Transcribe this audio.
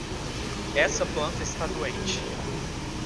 Essa planta está doente.